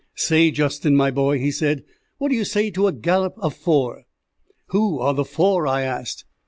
"Say, Justin, my boy," he said, "what do you say to a gallop of four?" "Who are the four?" I asked.